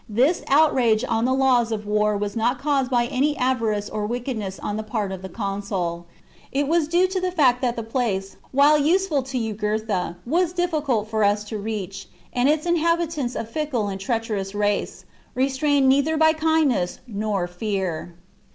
This outrage on the laws of war was not caused by any avarice or wickedness on the part of the consul ; it was due to the fact that the place, while useful to Jugurtha, was difficult for us to reach, and its inhabitants a fickle and treacherous race, restrained neither by kindness nor fear.